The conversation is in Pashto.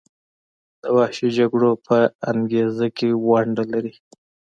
د وحشي جګړو په انګیزه کې ونډه لري.